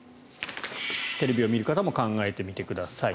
テレビを見る方も考えてみてください。